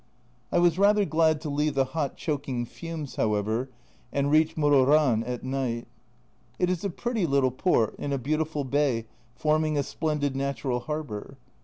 I was rather glad to leave the hot choking fumes, however, and reach Mororan at night. It is a pretty little port, in a beautiful bay forming a splendid natural harbour.